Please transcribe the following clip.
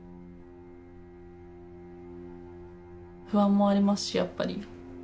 不安もありますしやっぱり。